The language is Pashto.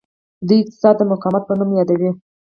دوی اقتصاد د مقاومت په نوم یادوي.